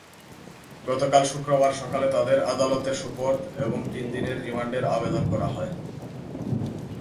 গতকাল শুক্রবার সকালে তাঁদের আদালতে সোপর্দ এবং তিন দিনের রিমান্ডের আবেদন করা হয়।